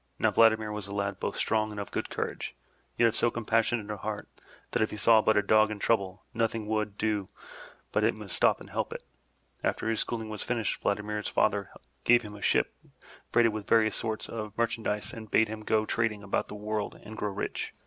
Now Vladimir was a lad both strong and of good courage, yet of so compassionate a heart that if he saw but a dog in trouble, nothing would do but he must stop and help it. After his schooling was finished, Vladimir's father gave him a ship freighted with various sorts of merchandise and bade him go trading about the world and grow rich.